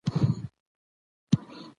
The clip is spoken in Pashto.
مطالعه د انسان د پوهې کچه لوړه وي